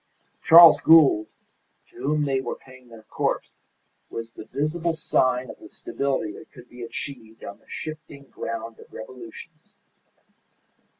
Charles Gould, to whom they were paying their court, was the visible sign of the stability that could be achieved on the shifting ground of revolutions.